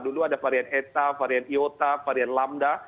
dulu ada varian eta varian iota varian lamda